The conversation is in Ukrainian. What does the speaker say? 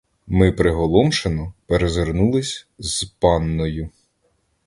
Ми приголомшено перезирнулись з панною.